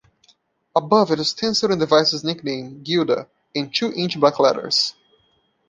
Above it was stenciled the device's nickname, "Gilda", in two-inch black letters.